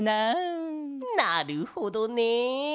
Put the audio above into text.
なるほどね。